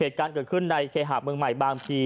เหตุการณ์เกิดขึ้นในเคหาเมืองใหม่บางพี